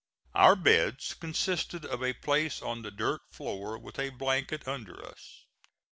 Our beds consisted of a place on the dirt floor with a blanket under us.